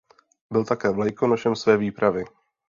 Byl také vlajkonošem své výpravy.